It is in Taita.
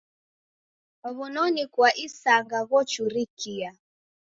W'unoni ghwa isanga ghochurikia.